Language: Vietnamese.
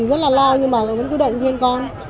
rất là lo nhưng mà vẫn cứ đợi ủng hộ con